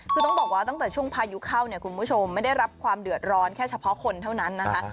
คือต้องบอกว่าตั้งแต่ช่วงพายุเข้าเนี่ยคุณผู้ชมไม่ได้รับความเดือดร้อนแค่เฉพาะคนเท่านั้นนะคะ